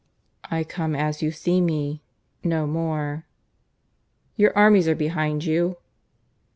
"I come as you see me; no more." "Your armies are behind you?"